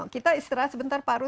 kita istirahat sebentar pak rus